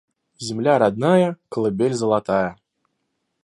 Земля родная - колыбель золотая.